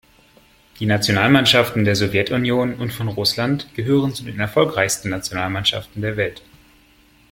Die Nationalmannschaften der Sowjetunion und von Russland gehören zu den erfolgreichsten Nationalmannschaften der Welt.